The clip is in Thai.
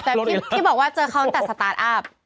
แต่ที่บอกว่าเจอเขาตั้งแต่สตาร์ทอัพ